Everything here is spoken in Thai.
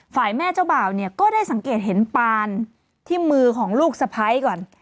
ฝ่ายแม่เจ้าบ่าวเนี่ยก็ได้สังเกตเห็นปานที่มือของลูกสะพ้ายก่อน